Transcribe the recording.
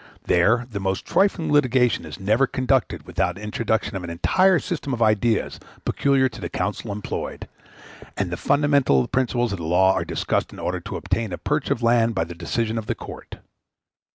There the most trifling litigation is never conducted without the introduction of an entire system of ideas peculiar to the counsel employed; and the fundamental principles of law are discussed in order to obtain a perch of land by the decision of the court.